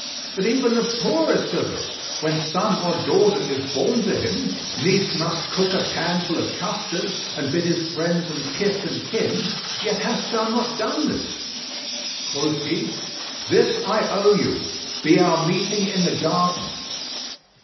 But even the poorest of us, when son or daughter is born to him, needs must cook a pan full of custard[FN#38] and bid his friends and kith and kin; yet hast thou not done this." Quoth he, "This I owe you; be our meeting in the garden."